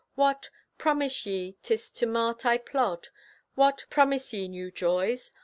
What! Promise ye 'tis to mart I plod? What! Promise ye new joys?